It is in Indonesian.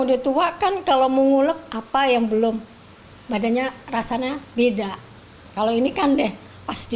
udah tua kan kalau mengulek apa yang belum badannya rasanya beda kalau ini kan deh pas di